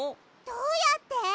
どうやって？